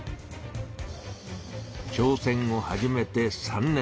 挑戦を始めて３年。